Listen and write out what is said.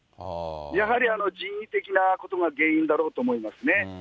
やはり人為的なことが原因だろうと思いますね。